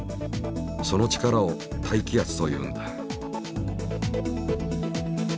その力を大気圧というんだ。